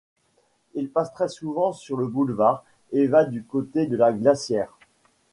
Il passe très souvent sur le boulevard et va du côté de la Glacière.